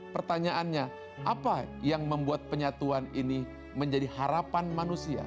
pertanyaannya apa yang membuat penyatuan ini menjadi harapan manusia